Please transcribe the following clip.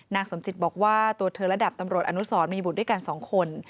นางสมจิตบอกว่าตัวเธอระดับตำรวจอนุสรมีบุตรด้วยกัน๒คน